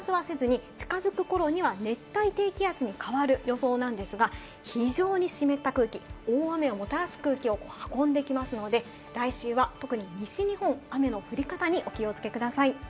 あまり発達はせずに、近づく頃には熱帯低気圧に変わる予想なんですが、非常に湿った空気、大雨をもたらす空気を運んできますので、来週は特に西日本、雨の降り方にお気をつけください。